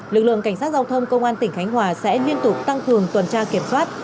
lực lượng cảnh sát giao thông công an tỉnh khánh hòa sẽ liên tục tăng cường tuần tra kiểm soát